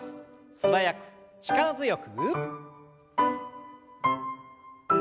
素早く力強く。